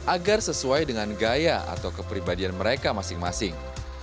agar sesuai dengan gaya atau kepribadian mereka masing masing